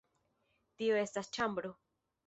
Tio estas ĉambro.